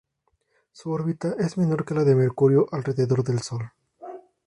Su órbita es menor que la de Mercurio alrededor del Sol.